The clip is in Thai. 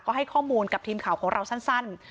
ก็ให้ข้อมูลกับทีมข่าวของเราสั้น